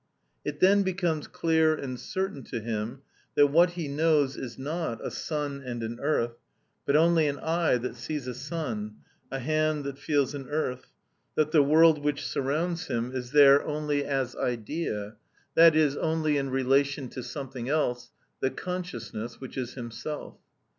It then becomes clear and certain to him that what he knows is not a sun and an earth, but only an eye that sees a sun, a hand that feels an earth; that the world which surrounds him is there only as idea, i.e., only in relation to something else, the consciousness, which is himself.